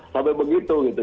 sampai begitu gitu